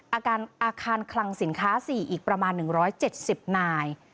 อาคารคลังสินค้า๔อีกประมาณ๑๗๐นาย